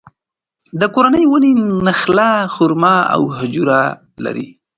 د کورنۍ ونې نخله، خورما او خجوره لري.